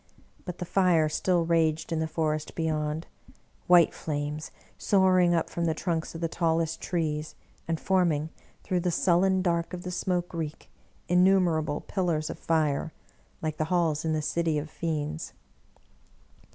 But the fire still raged in the forest beyond — ^white flames^ soaring up from the trunks of the tallest trees, and form ing, through the sullen dark of the smoke reek, innumer able pillars of fire, like the halls in the city of fiends.